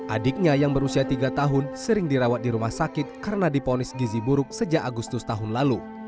adiknya yang berusia tiga tahun sering dirawat di rumah sakit karena diponis gizi buruk sejak agustus tahun lalu